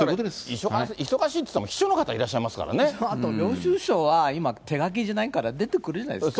忙しいっていっても、秘書のあと、領収書は今、手書きじゃないから出てくるじゃないですか。